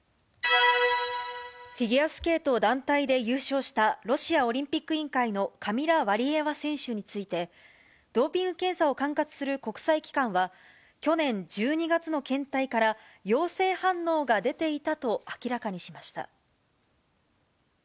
フィギュアスケート団体で優勝した、ロシアオリンピック委員会のカミラ・ワリエワ選手について、ドーピング検査を管轄する国際機関は、去年１２月の検体から、陽性反応が出ていたと明らかにしました。